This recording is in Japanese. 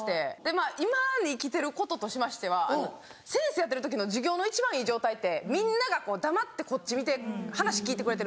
まぁ今に生きてることとしましては先生やってる時の授業の一番いい状態ってみんなが黙ってこっち見て話聞いてくれてるっていう。